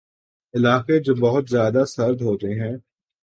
علاقے جو بہت زیادہ سرد ہوتے ہیں